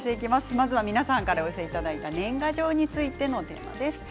まずは、皆さんからお寄せいただいた年賀状についてです。